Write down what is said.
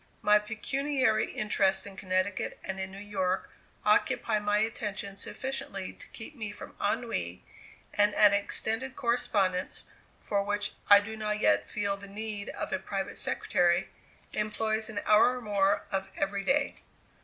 My pecuniary interests in Connecticut and in New York occupy my attention sufficiently to keep me from ennui, and an extended correspondence for which I do not yet feel the need of a private secretary employs an hour or more of every day.